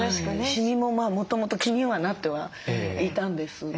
シミももともと気にはなってはいたんです。